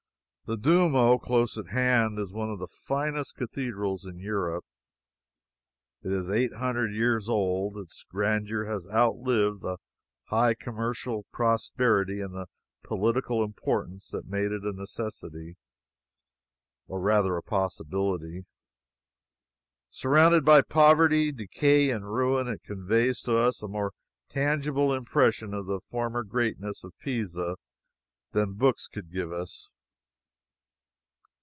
The Duomo, close at hand, is one of the finest cathedrals in Europe. It is eight hundred years old. Its grandeur has outlived the high commercial prosperity and the political importance that made it a necessity, or rather a possibility. Surrounded by poverty, decay and ruin, it conveys to us a more tangible impression of the former greatness of Pisa than books could give us.